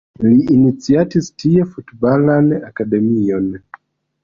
Li iniciatis tie Futbalan Akademion.